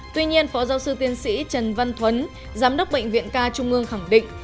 tuy nhiên phó giáo sư tiến sĩ trần văn thuấn giám đốc bệnh viện ca trung ương khẳng định